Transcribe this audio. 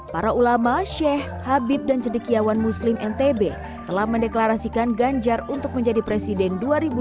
para ulama sheikh habib dan cedekiawan muslim ntb telah mendeklarasikan ganjar untuk menjadi presiden dua ribu dua puluh